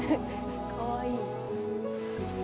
かわいい。